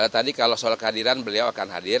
tadi kalau soal kehadiran beliau akan hadir